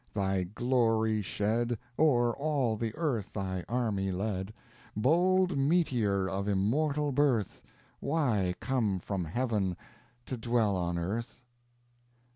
thy glory shed, O'er all the earth, thy army led Bold meteor of immortal birth! Why come from Heaven to dwell on Earth?